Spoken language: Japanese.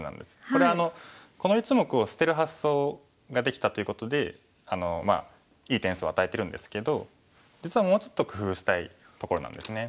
これこの１目を捨てる発想ができたということでいい点数を与えてるんですけど実はもうちょっと工夫したいところなんですね。